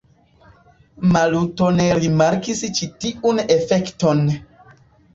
Maluto ne rimarkis ĉi tiun efekton.